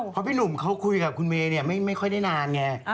เพราะพี่หนุ่มเขาคุยกับคุณเมย์ไม่ค่อยได้นานไง